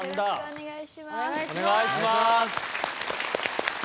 お願いします。